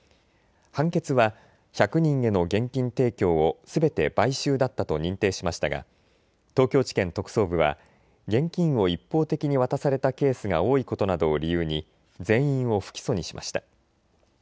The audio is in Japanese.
判決は１００人への現金提供をすべて買収だったと認定しましたが、東京地検特捜部は現金を一方的に渡されたケースが多いことなどを理由に全員を不起訴にしました。